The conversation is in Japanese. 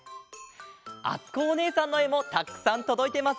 あつこおねえさんのえもたくさんとどいてますよ！